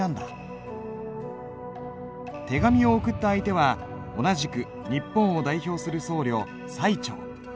手紙を送った相手は同じく日本を代表する僧侶最澄。